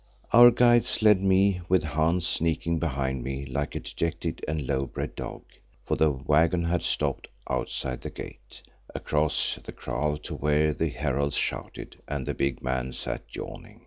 Our guides led me, with Hans sneaking after me like a dejected and low bred dog (for the waggon had stopped outside the gate), across the kraal to where the heralds shouted and the big man sat yawning.